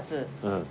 うん。